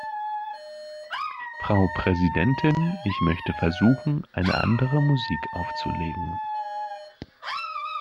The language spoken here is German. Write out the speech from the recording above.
Frau Präsidentin, ich möchte versuchen, eine andere Musik aufzulegen.